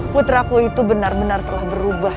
putraku itu benar benar telah berubah